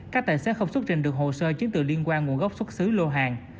các tài xế không xuất trình được hồ sơ chiến tự liên quan nguồn gốc xuất xứ lô hàng